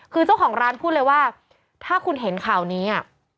คือเจ้าของร้านพูดเลยว่าถ้าคุณเห็นข่าวนี้